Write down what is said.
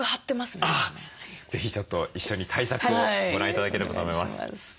是非ちょっと一緒に対策をご覧頂ければと思います。